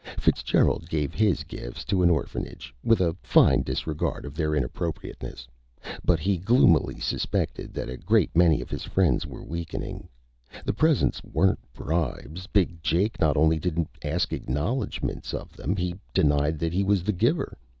Fitzgerald gave his gifts to an orphanage, with a fine disregard of their inappropriateness. But he gloomily suspected that a great many of his friends were weakening. The presents weren't bribes. Big Jake not only didn't ask acknowledgments of them, he denied that he was the giver.